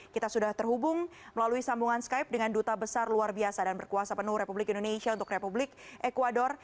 kita sudah terhubung melalui sambungan skype dengan duta besar luar biasa dan berkuasa penuh republik indonesia untuk republik ecuador